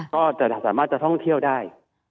ก็จะสามารถจะท่องเที่ยวได้